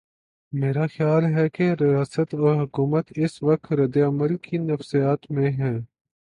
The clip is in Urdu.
میرا خیال ہے کہ ریاست اور حکومت اس وقت رد عمل کی نفسیات میں ہیں۔